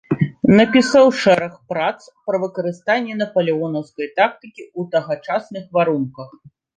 Напісаў шэраг прац пра выкарыстанне напалеонаўскай тактыкі ў тагачасных варунках.